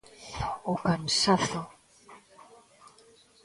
O cansazo.